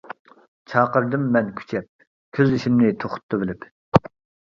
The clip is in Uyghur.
چاقىردىم مەن كۈچەپ كۆز يېشىمنى توختىتىۋېلىپ.